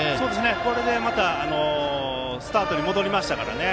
これでまたスタートに戻りましたからね。